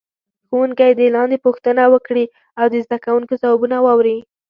ښوونکی دې لاندې پوښتنه وکړي او د زده کوونکو ځوابونه واوري.